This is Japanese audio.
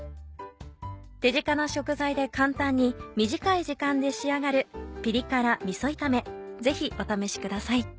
手近な食材で簡単に短い時間で仕上がるピリ辛みそ炒めぜひお試しください。